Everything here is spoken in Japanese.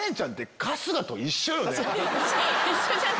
一緒じゃない。